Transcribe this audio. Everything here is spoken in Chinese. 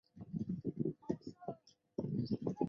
还与友人在新加坡创办培才小学和工人夜校。